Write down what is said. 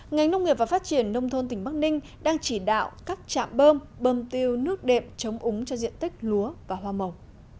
ngành nông nghiệp và phát triển nông thôn tỉnh bắc ninh đang chỉ đạo các trạm bơm bơm tiêu nước đệm chống úng cho diện tích lúa và hoa màu